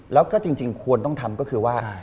แล้วก็จริงควรต้องทำก็คือว่า